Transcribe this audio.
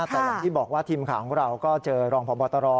แต่อย่างที่บอกว่าทีมข่าวของเราก็เจอรองพบตร